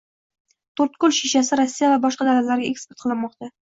To‘rtko‘l shishasi rossiya va boshqa davlatlarga eksport qilinmoqda